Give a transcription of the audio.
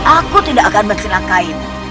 aku tidak akan mencelakainu